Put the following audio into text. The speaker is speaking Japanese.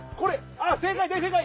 あぁ正解大正解！